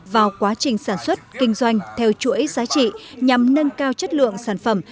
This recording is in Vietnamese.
vào quá trình sản xuất kinh doanh theo chuỗi giá trị nhằm nâng cao chất lượng sản phẩm